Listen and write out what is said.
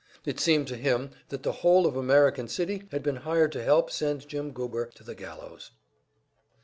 It seemed to him that the whole of American City had been hired to help send Jim Goober to the gallows.